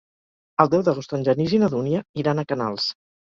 El deu d'agost en Genís i na Dúnia iran a Canals.